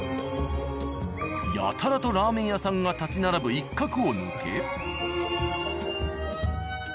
やたらとラーメン屋さんが立ち並ぶ一角を抜け。